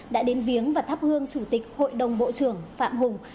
đã đến viếng và thắp hương chủ tịch hội đồng bộ trưởng phạm hùng